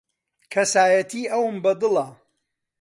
کەسایەتیی ئەوم بەدڵە.